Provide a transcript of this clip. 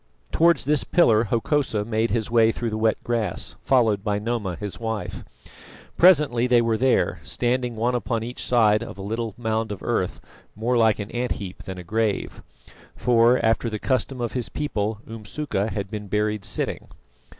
Towards this pillar Hokosa made his way through the wet grass, followed by Noma his wife. Presently they were there, standing one upon each side of a little mound of earth more like an ant heap than a grave; for, after the custom of his people, Umsuka had been buried sitting.